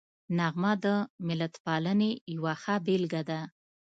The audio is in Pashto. نغمه د ملتپالنې یوه ښه بېلګه ده